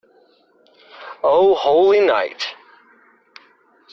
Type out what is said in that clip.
O holy night.